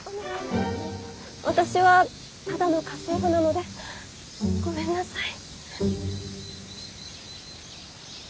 私はただの家政婦なのでごめんなさい。